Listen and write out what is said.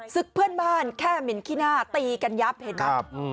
เพื่อนบ้านแค่เหม็นขี้หน้าตีกันยับเห็นไหม